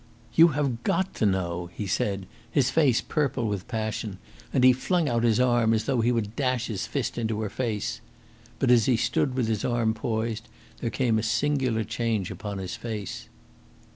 "You have got to know," he said, his face purple with passion, and he flung out his arm as though he would dash his fist into her face. But as he stood with his arm poised there came a singular change upon his face.